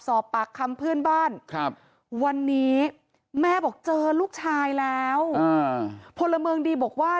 สอบปากคำเพื่อนบ้านครับวันนี้แม่บอกเจอลูกชายแล้วพลเมืองดีบอกว่า